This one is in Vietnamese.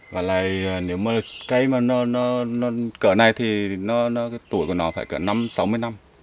và lại nếu mà cây mà nó cỡ này thì tuổi của nó phải cỡ năm sáu mươi năm